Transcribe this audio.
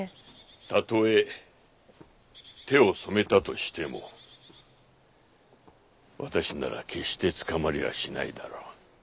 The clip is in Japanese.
たとえ手を染めたとしても私なら決して捕まりはしないだろう。